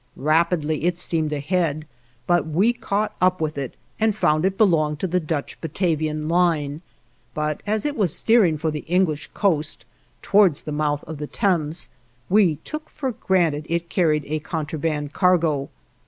Rapidly it steamed ahead, but we caught up with it, and found it belonged to the Dutch Batavian Line, but as it was steering for the English coast, towards the mouth of the Thames, we took for granted it carried a contraband cargo.